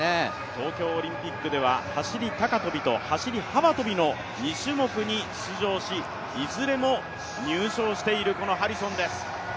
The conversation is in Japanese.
東京オリンピックでは走高跳と走幅跳の２種目に出場しいずれも入賞しているハリソンです。